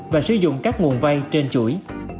và sử dụng các nguồn vay trên chuỗi